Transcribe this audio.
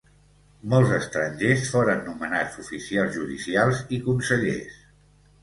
Molts estrangers foren nomenats oficials judicials i consellers.